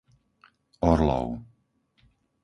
Orlov